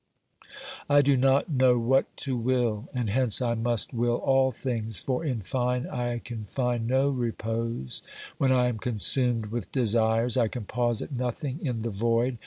I do not know what to will, and hence I must will all things, for in fine I can find no repose when I am consumed with desires ; I can pause at nothing in the void.